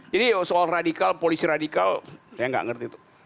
jadi soal radikal polisi radikal saya nggak ngerti tuh